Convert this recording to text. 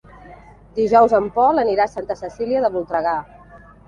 Dijous en Pol anirà a Santa Cecília de Voltregà.